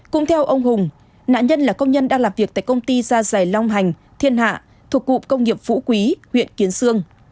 cũng theo ông hùng nạn nhân là công nhân đang làm việc tại công ty gia dày long hành thiên hạ thuộc cụm công nghiệp phú quý huyện kiến sương